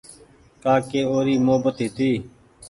ڪآ ڪي اوري محبت هيتي